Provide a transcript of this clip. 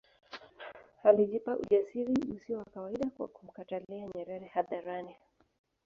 Alijipa ujasiri usio wa kawaida kwa kumkatalia Nyerere hadharani